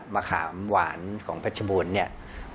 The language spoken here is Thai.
มะขามหวานของเพชรบูรณ์เนี่ย